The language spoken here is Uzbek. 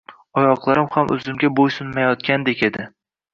Oyoqlarim ham o`zimga bo`ysunmayotgandek edi